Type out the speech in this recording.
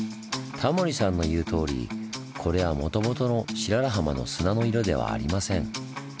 タモリさんの言うとおりこれはもともとの白良浜の砂の色ではありません。